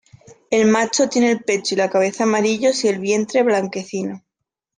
El macho tiene el pecho y la cabeza amarillos; y el vientre blanquecino.